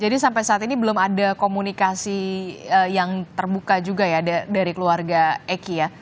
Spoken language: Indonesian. jadi sampai saat ini belum ada komunikasi yang terbuka juga ya dari keluarga eki ya